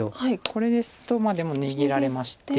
これですとでも逃げられまして。